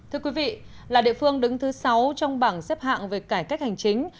thưa quý vị là địa phương đứng thứ sáu trong bảng xếp hạng về cải cách hành chính